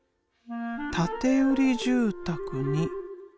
建て売り住宅に。